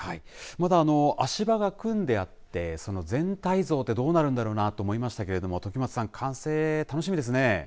まだ足場が組んであって全体像ってどうなるんだろうなと思いましたが時松さん、完成楽しみですね。